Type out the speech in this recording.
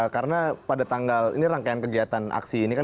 karena pada tanggal ini rangkaian kegiatan aksi ini kan